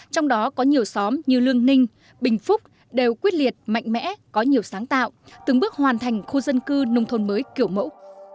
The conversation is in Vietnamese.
trong đó có nhiều xóm như lương ninh bình phúc đều quyết liệt mạnh mẽ có nhiều sáng tạo từng bước hoàn thành khu dân cư nông thôn mới kiểu mẫu